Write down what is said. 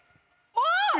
あっ！